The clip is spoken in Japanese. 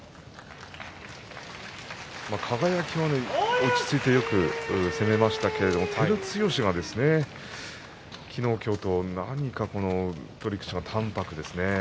輝はよく落ち着いて攻めましたけれども照強は昨日、今日と何か取り口が淡泊ですね。